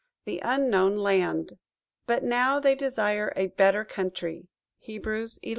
THE UNKNOWN LAND "But now they desire a better country."–HEBREWS xi.